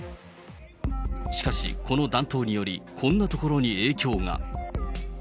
しかし、この暖冬により、こんなところに影響が。